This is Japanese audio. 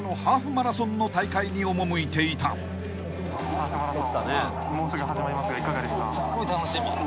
ハーフマラソンもうすぐ始まりますがいかがですか？